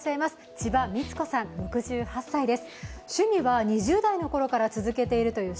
千葉美津子さん６８歳です。